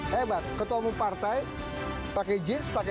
hebat ketemu partai pake jeans pake